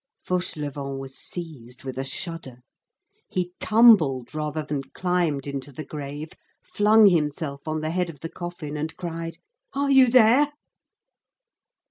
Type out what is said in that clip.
Fauchelevent was seized with a shudder. He tumbled rather than climbed into the grave, flung himself on the head of the coffin and cried:— "Are you there?"